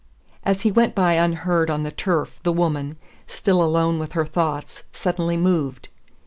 As he went by unheard on the turf the woman, still alone with her thoughts, suddenly moved.